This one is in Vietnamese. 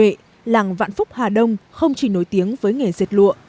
nằm bên bờ sông nhuệ làng vạn phúc hà đông không chỉ nổi tiếng với nghề diệt lụa